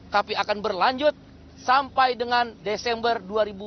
tapi akan berlanjut sampai dengan desember dua ribu dua puluh